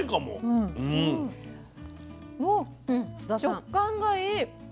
食感がいい。